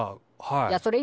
いやそれ